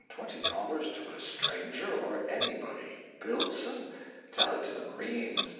Twenty dollars to a stranger or ANYBODY BILLSON! Tell it to the marines!"